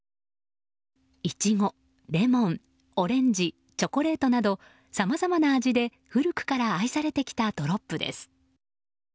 イチゴ、レモン、オレンジチョコレートなどさまざまな味で古くから愛されてきたドロップです。